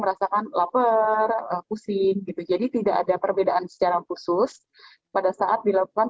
merasakan lapar pusing gitu jadi tidak ada perbedaan secara khusus pada saat dilakukan